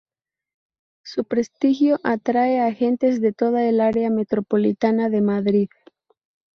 Su prestigio atrae a gentes de toda el área metropolitana de Madrid.